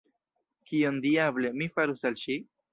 Kion, diable, mi farus al ŝi?